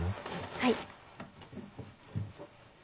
はい。